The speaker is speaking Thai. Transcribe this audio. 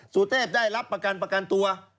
สุเทพได้รับประกันประกันตัว